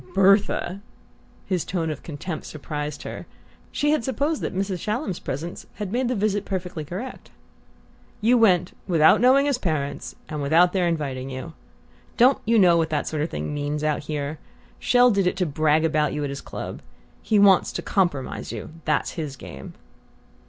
"BERTHA!" His tone of contempt surprised her. She had supposed that Mrs. Shallum's presence had made the visit perfectly correct. "You went without knowing his parents, and without their inviting you? Don't you know what that sort of thing means out here? Chelles did it to brag about you at his club. He wants to compromise you that's his game!"